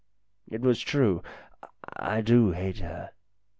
It was true. I do hate her.